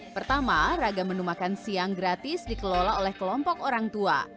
pertama ragam menu makan siang gratis dikelola oleh kelompok orang tua